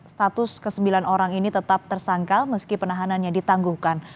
status kesembilan orang ini tetap tersangka meski penahanannya ditangguhkan